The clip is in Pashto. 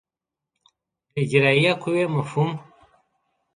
د اجرایه قوې مفهوم